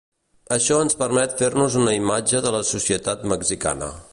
Això ens permet fer-nos una imatge de la societat mexicana.